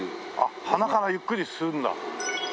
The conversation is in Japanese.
鼻からゆっくり吸うんだ煙を。